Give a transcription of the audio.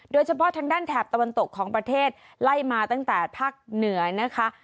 โดยเฉพาะทางด้านแถบตะวันตกของประเทศไล่มาตั้งแต่ภาคเหนือนะคะ